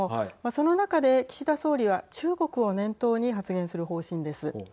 その中で岸田総理は中国を念頭に発言する方針です。